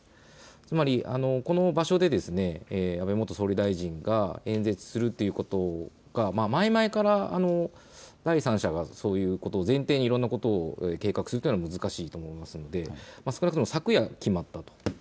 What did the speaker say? つまり、この場所で安倍元総理大臣が演説するということが前々から第三者がそういうことを前提にいろんなことを計画するというのは難しいと思いますので少なくとも昨夜、決まったと。